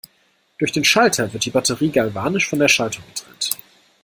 Durch den Schalter wird die Batterie galvanisch von der Schaltung getrennt.